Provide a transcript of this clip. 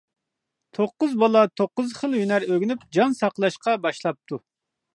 توققۇز بالا توققۇز خىل ھۈنەر ئۆگىنىپ جان ساقلاشقا باشلاپتۇ.